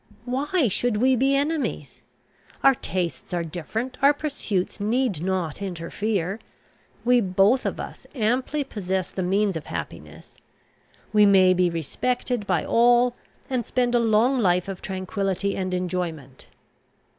Why should we be enemies? Our tastes are different; our pursuits need not interfere. We both of us amply possess the means of happiness; We may be respected by all, and spend a long life of tranquillity and enjoyment.